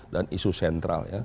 dan isu sentral